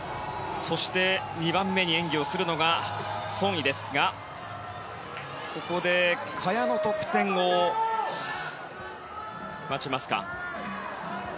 そして２番目に演技をするのがソン・イですがここで萱の得点を待ちます。